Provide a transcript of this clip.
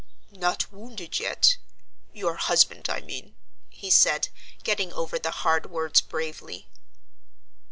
"Not wounded yet? your husband, I mean," he said, getting over the hard words bravely.